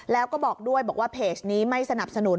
แล้วก็บอกด้วยบอกว่าเพจนี้ไม่สนับสนุน